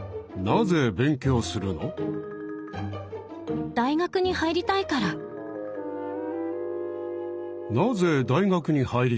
なぜ大学に入りたいの？